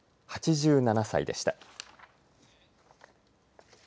８７歳でした。